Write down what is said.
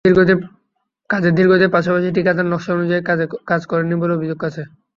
কাজের ধীরগতির পাশাপাশি ঠিকাদার নকশা অনুযায়ী কাজ করেননি বলে অভিযোগ আছে।